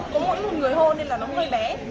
có mỗi một người hô nên là nó hơi bé